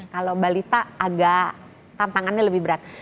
kalau balita agak tantangannya lebih berat